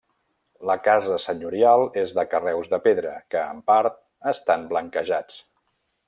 La casa senyorial és de carreus de pedra que, en part, estan blanquejats.